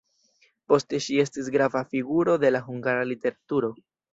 Poste ŝi estis grava figuro de la hungara literaturo.